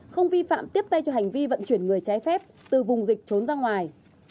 không vi phạm tiếp tay cho hành vi vận chuyển người trái phép từ vùng dịch trốn ra ngoài